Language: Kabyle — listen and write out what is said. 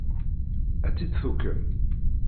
Ad tt-id-tuqem?